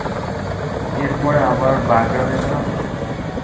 এর পরে আবার বাগড়া দেবে না তো?